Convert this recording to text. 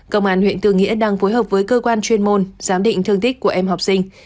công an huyện tư nghĩa đang phối hợp với cơ quan chuyên môn giám định thương tích của em học sinh